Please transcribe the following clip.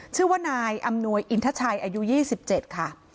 ชื่อว่านายอำนวยอินทชัยอายุ๒๗ค่ะ